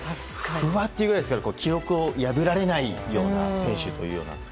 不破っていうくらいですから記録を破られない選手というようなね。